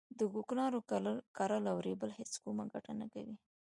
د کوکنارو کرل او رېبل هیڅ کومه ګټه نه کوي